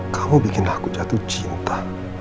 kamu bikin aku jatuh cinta